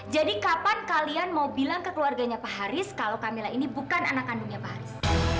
jadi kapan kalian mau bilang ke keluarganya pak haris kalau kamila ini bukan anak kandungnya pak haris